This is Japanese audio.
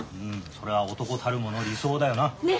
それは男たる者理想だよな。ね！